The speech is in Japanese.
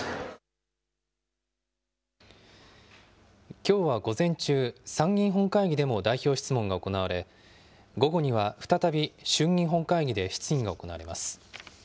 きょうは午前中、参議院本会議でも代表質問が行われ、午後には再び衆議院本会議で質疑が行われます。